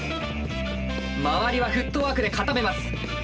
周りはフットワークで固めます。